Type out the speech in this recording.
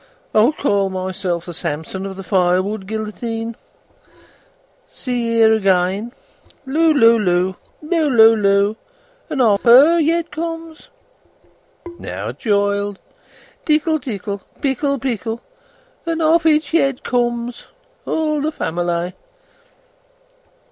"I call myself the Samson of the firewood guillotine. See here again! Loo, loo, loo; Loo, loo, loo! And off her head comes! Now, a child. Tickle, tickle; Pickle, pickle! And off its head comes. All the family!"